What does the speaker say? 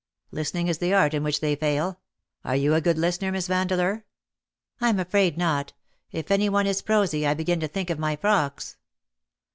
Listening is the art in which they fail. Are you a good listener. Miss Vandeleur ?"" Tm afraid not. If any one is prosy I begin to think of my frocks.